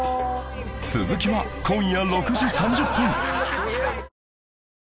続きは今夜６時３０分